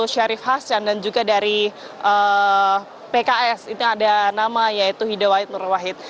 pekasian dan juga dari pks itu ada nama yaitu hidawahit nurwahid